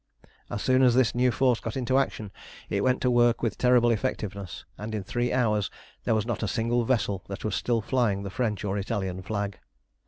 As soon as this new force got into action it went to work with terrible effectiveness, and in three hours there was not a single vessel that was still flying the French or Italian flag.